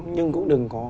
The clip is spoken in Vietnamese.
nhưng cũng đừng có